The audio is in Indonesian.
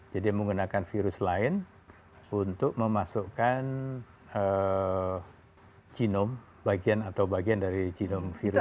jadi menggunakan virus lain untuk memasukkan genome bagian atau bagian dari genome virus itu